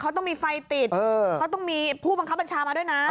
เขาต้องมีไฟติดเพื่อจะให้ผู้บัคบรรชามาด้วย